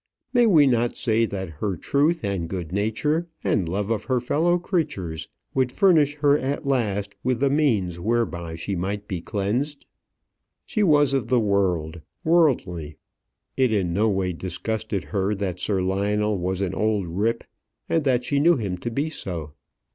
May we not say that her truth and good nature, and love of her fellow creatures, would furnish her at last with the means whereby she might be cleansed? She was of the world, worldly. It in no way disgusted her that Sir Lionel was an old rip, and that she knew him to be so.